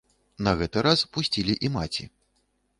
На гэты раз пусцілі і маці.